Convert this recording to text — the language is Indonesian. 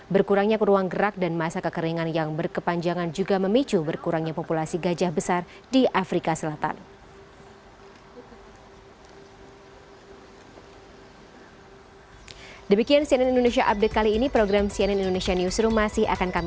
berkurangnya ke ruang gerak dan masa kekeringan yang berkepanjangan juga memicu berkurangnya populasi gajah besar di afrika selatan